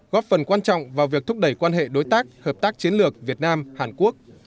góp phần quan trọng vào việc thúc đẩy quan hệ đối tác hợp tác chiến lược việt nam hàn quốc